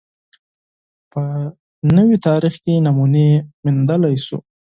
په نوي تاریخ کې نمونې موندلای شو